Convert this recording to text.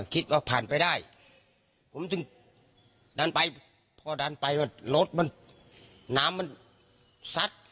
คิดว่าผ่านไปได้ผมจึงดันไปพอดันไปว่ารถมันน้ำมันซัด